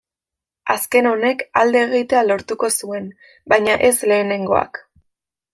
Azken honek alde egitea lortuko zuen, baina ez lehenengoak.